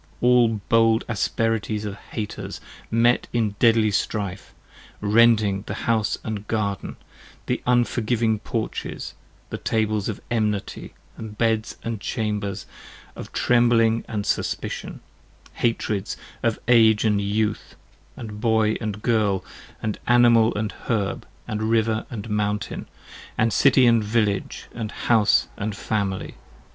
All bold asperities Of Haters met in deadly strife, rending the house & garden, The unforgiving porches, the tables of enmity, and beds And chambers of trembling & suspition, hatreds of age & youth, 25 And boy & girl, & animal & herb, & river & mountain, And city & village, and house & family.